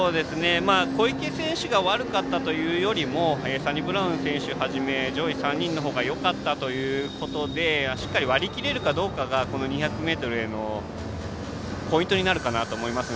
小池選手が悪かったというよりもサニブラウン選手はじめ上位３人のほうがよかったということでしっかり割り切れるかどうかがこの２００ｍへのポイントになるかなと思います。